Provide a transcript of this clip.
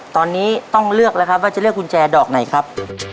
ตอนนี้ต้องเลือกแล้วครับว่าจะเลือกกุญแจดอกไหนครับ